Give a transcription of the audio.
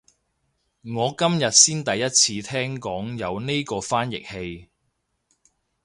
我今日先第一次聽講有呢個翻譯器